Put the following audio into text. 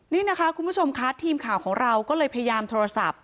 นี่นะคะคุณผู้ชมค่ะทีมข่าวของเราก็เลยพยายามโทรศัพท์